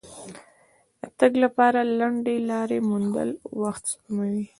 د تګ لپاره لنډې لارې موندل وخت سپموي.